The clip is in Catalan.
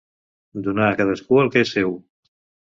Donar a cadascú el que és seu.